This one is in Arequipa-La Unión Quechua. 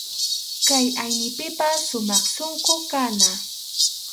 Kay aynipipas sumaq sunqu kana.